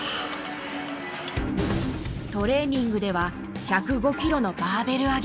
トレーニングでは、１０５キロのバーベル上げ。